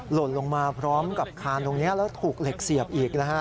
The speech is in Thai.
หล่นลงมาพร้อมกับคานตรงนี้แล้วถูกเหล็กเสียบอีกนะฮะ